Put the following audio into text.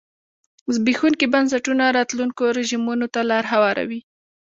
زبېښونکي بنسټونه راتلونکو رژیمونو ته لار هواروي.